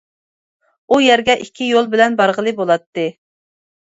ئۇ يەرگە ئىككى يول بىلەن بارغىلى بولاتتى.